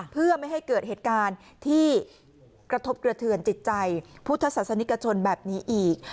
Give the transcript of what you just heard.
เพื่อไม่ให้เกิดเหตุการณ์ที่กระทบกระเทือนจิตใจพุทธศาสนิกชนแบบนี้อีก